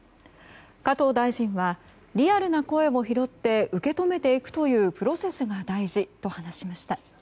加藤大臣はリアルな声を拾って受け止めていくというプロセスが大事と話しました。